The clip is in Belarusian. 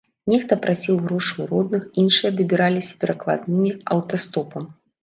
Нехта прасіў грошы ў родных, іншыя дабіраліся перакладнымі, аўтастопам.